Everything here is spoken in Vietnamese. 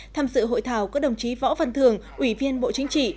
tham dự hội thảo có đồng chí võ văn thường ủy viên bộ chính trị